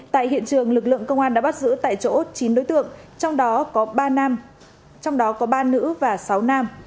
tại hiện trường lực lượng công an đã bắt giữ tại chỗ chín đối tượng trong đó có ba nữ và sáu nam